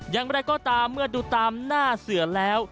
อย่างไรก็ตามเมื่อดูตามหน้าเสือแล้ว